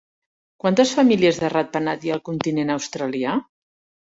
Quantes famílies de ratpenat hi ha al continent australià?